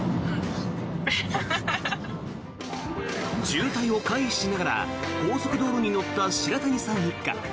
渋滞を回避しながら高速道路に乗った白谷さん一家。